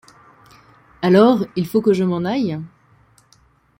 Alors, il faut que je m'en aille ?